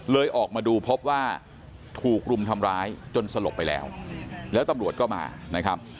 ออกมาดูพบว่าถูกรุมทำร้ายจนสลบไปแล้วแล้วตำรวจก็มานะครับ